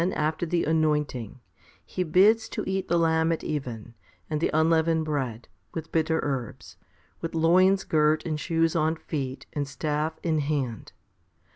294 FIFTY SPIRITUAL HOMILIES after the anointing, He bids to eat the lamb at even, and the unleavened bread, with bitter herbs, with loins girt and shoes on feet, and staff in hand.